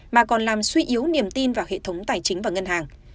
mà còn làm suy yếu niềm tin vào hệ thống tài chính và ngân hàng